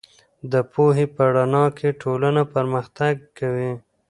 د پوهې په رڼا کې ټولنه پرمختګ کوي.